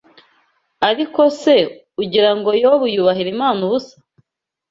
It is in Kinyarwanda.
Ariko se, ugira ngo Yobu yubahira Imana ubusa?